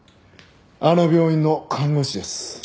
あの病院の看護師です。